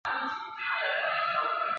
未收录在其专辑里的单曲